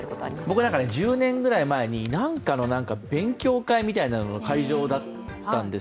僕、１０年くらい前に何かの勉強会の会場だったんです。